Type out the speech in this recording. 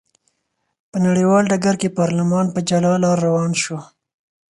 په نړیوال ډګر کې پارلمان په جلا لار روان شو.